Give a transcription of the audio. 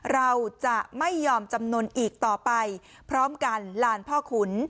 เราจะไม่ยอมจำนวนอีกต่อไปพร้อมกันลานพ่อขุน